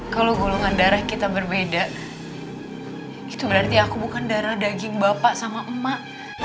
kalau golongan darah kita berbeda itu berarti aku bukan darah daging bapak sama emak